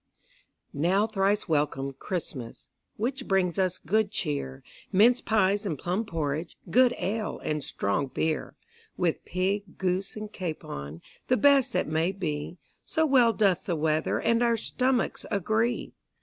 Now thrice welcome, Christmas, Which brings us good cheer, Minced pies and plum porridge, Good ale and strong beer; With pig, goose, and capon, The best that may be, So well doth the weather And our stomachs agree.